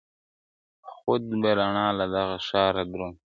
• خـود به رڼـــا لـــه دغــه ښـــاره درومــــي.